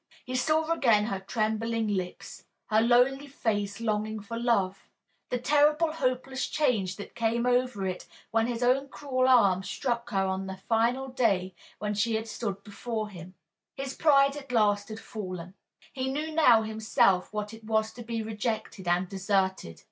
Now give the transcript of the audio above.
He saw again her trembling lips, her lonely face longing for love the terrible hopeless change that came over it when his own cruel arm struck her on that final day when she had stood before him. His pride at last had fallen. He knew now himself what it was to be rejected and deserted.